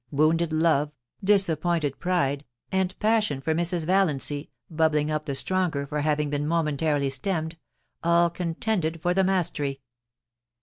269 wounded love, disappointed pride, and passion for Mrs. Valiancy, bubbling up the stronger for having been momen tarily stemmed — all contended for the mastery.